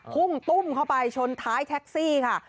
พุ่งตุ้มเข้าไปชนท้ายแท็กซี่ค่ะ